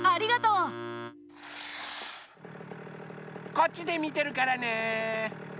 こっちでみてるからね！